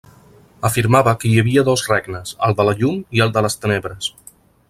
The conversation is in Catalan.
Afirmava que hi havia dos regnes, el de la Llum i el de les Tenebres.